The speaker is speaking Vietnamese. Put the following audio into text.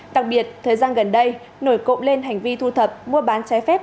đặc biệt thời gian gần đây nổi cộng lên hành vi thu thập mua bán trái phép